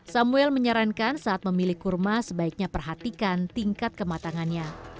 samuel menyarankan saat memilih kurma sebaiknya perhatikan tingkat kematangannya